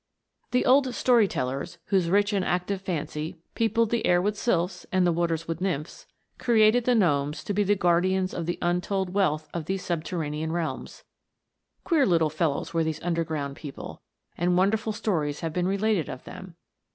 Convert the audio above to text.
The old story tellers, whose rich and active fancy peopled the air with sylphs, and the waters with nymphs, created the gnomes to be the guardians of the untold wealth of these subterranean realms. Queer little fellows were these underground people, and wonderful stories have been related of them.